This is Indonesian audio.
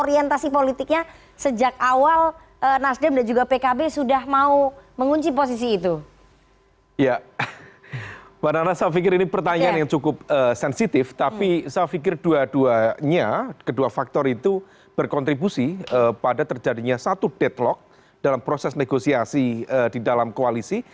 ya pak nana saya pikir ini pertanyaan yang cukup sensitif tapi saya pikir dua duanya kedua faktor itu berkontribusi pada terjadinya satu deadlock dalam proses negosiasi di dalam koalisi